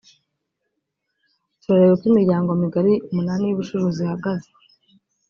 turareba uko imiryango migari umunani y’ubucuruzi ihagaze